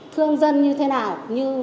thương dân như thế nào